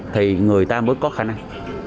thì người ta mới có khả năng